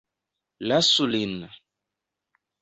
Lasu lin!